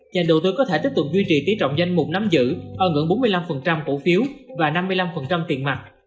nhà đầu tư có thể tiếp tục duy trì tỷ trọng danh mục nắm giữ ở ngưỡng bốn mươi năm cổ phiếu và năm mươi năm tiền mặt